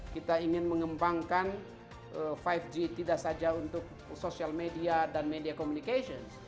kita ingin mengembangkan lima g tidak saja untuk social media dan media communication